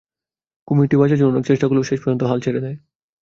কুমিরটি বাঁচার জন্য অনেক চেষ্টা করলেও শেষ পর্যন্ত হাল ছেড়ে দেয়।